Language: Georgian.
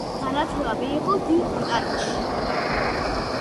განათლება მიიღო დიდ ბრიტანეთში.